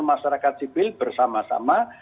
masyarakat sibil bersama sama